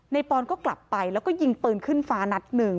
ปอนก็กลับไปแล้วก็ยิงปืนขึ้นฟ้านัดหนึ่ง